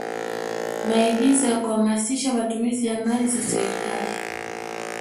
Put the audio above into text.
Maagizo ya kuhamasisha matumizi ya mali za serikali